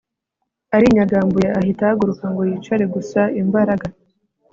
arinyagambuye ahita ahaguruka ngo yicare gusa imbaraga